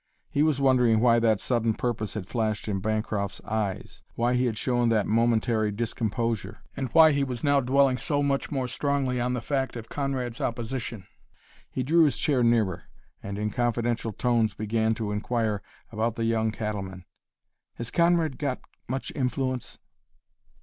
He was wondering why that sudden purpose had flashed in Bancroft's eyes, why he had shown that momentary discomposure, and why he was now dwelling so much more strongly on the fact of Conrad's opposition. He drew his chair nearer and in confidential tones began to inquire about the young cattleman: "Has Conrad got much influence?"